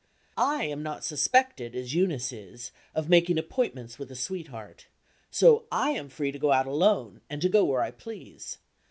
I am not suspected, as Eunice is, of making appointments with a sweetheart. So I am free to go out alone, and to go where I please.